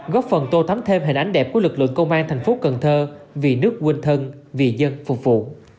góp phần tô thắm thêm hình ảnh đẹp của lực lượng công an thành phố cần thơ vì nước quên thân vì dân phục vụ